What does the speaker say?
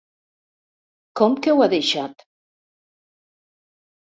Com que ho ha deixat?